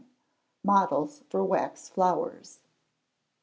Models for Wax Flowers.